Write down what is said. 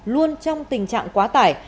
luôn trong tình trạng quá tải